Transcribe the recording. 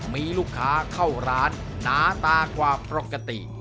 มีลูกค้าเข้าร้านหนาตากว่าปกติ